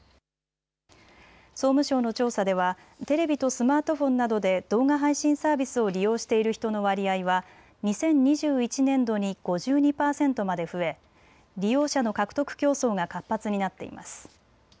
総務省の調査ではテレビとスマートフォンなどで動画配信サービスを利用している人の割合は２０２１年度に５２％まで増え利用者の獲得競争が活発になっています。